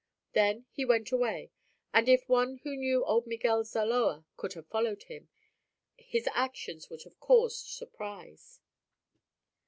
Then he went away, and if one who knew old Miguel Zaloa could have followed him, his actions would have caused surprise.